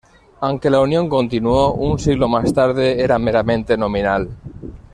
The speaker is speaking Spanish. Aunque la unión continuó, un siglo más tarde era meramente nominal.